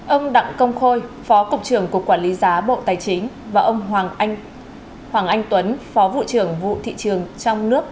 ông đặng công khôi phó cục trưởng cục quản lý giá bộ tài chính và ông hoàng anh tuấn phó vụ trưởng vụ thị trường trong nước